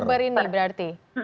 sepuluh oktober ini berarti